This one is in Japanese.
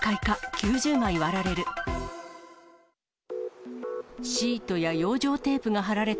９０枚割られる。